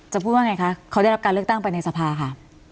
พูดว่าไงคะเขาได้รับการเลือกตั้งไปในสภาค่ะ